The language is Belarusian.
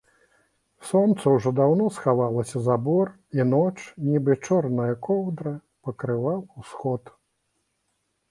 Сонца ўжо даўно схавалася за бор, і ноч, нібы чорная коўдра, пакрывала ўсход.